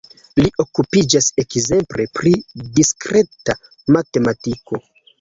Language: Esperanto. Li okupiĝas ekzemple pri diskreta matematiko.